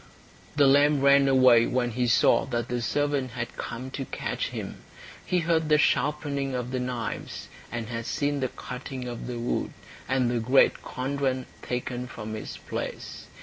The lamb ran away when he saw that the servant had come to catch him. He heard the sharpening of the knives, and had seen the cutting of the wood, and the great cauldron taken from its place.